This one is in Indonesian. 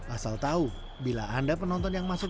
asal tahu bila anda penonton yang masuk